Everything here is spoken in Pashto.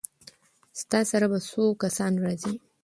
ستا سره به څو کسان راځي؟